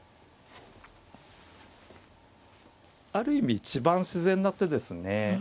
ある意味一番自然な手ですね。